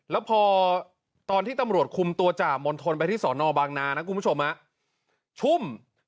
แล้วพอตอนที่ตำรวจคุมตัวจ่ามณฑลไปที่สอนอบางนานะคุณผู้ชมชุ่ม